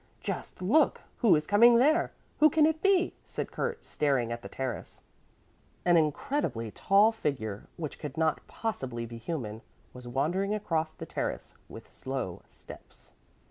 "Just look! Who is coming there? Who can it be?" said Kurt, staring at the terrace. An incredibly tall figure, which could not possibly be human, was wandering across the terrace with slow steps.